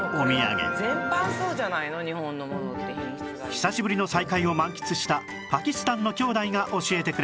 久しぶりの再会を満喫したパキスタンの兄弟が教えてくれました